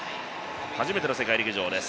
初めての世界陸上です。